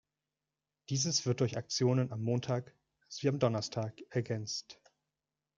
Dieses wird durch Aktionen am Montag sowie am Donnerstag ergänzt.